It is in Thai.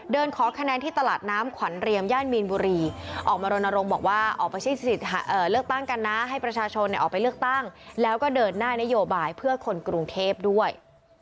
ขอคะแนนที่ตลาดน้ำขวัญเรียมย่านมีนบุรีออกมารณรงค์บอกว่าออกไปเลือกตั้งกันนะให้ประชาชนออกไปเลือกตั้งแล้วก็เดินหน้านโยบายเพื่อคนกรุงเทพด้วย